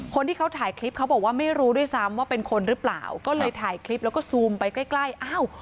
คนที่เขาถ่ายคลิปเขาบอกว่าไม่รู้ด้วยซ้ำว่าเป็นคนหรือเปล่าก็เลยถ่ายคลิปแล้วก็ซูมไปใกล้ใกล้อ้าว